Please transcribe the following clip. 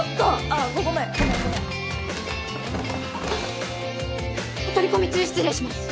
あっごめんお取り込み中失礼します